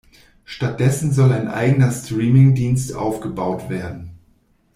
Stattdessen soll ein eigener Streaming-Dienst aufgebaut werden.